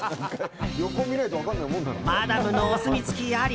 マダムのお墨付きあり。